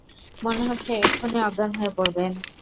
মনে হচ্ছে এক্ষুণি অজ্ঞান হয়ে পড়বেন।